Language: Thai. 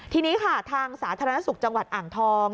ทีนี้ค่ะทางสาธารณสุขจังหวัดอ่างทอง